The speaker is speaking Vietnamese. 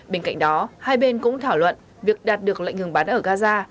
bên cạnh đó hai bên cũng thảo luận việc đạt được lệnh ngừng bắn ở gaza